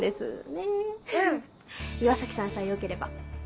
岩崎さんさえよければ。